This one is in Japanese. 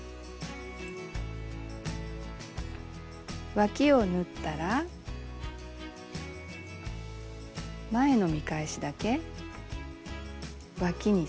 わきを縫ったら前の見返しだけわきにそろえて折ります。